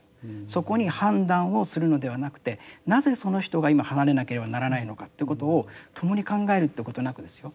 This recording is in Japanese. そこに判断をするのではなくてなぜその人が今離れなければならないのかってことを共に考えるってことなくですよ。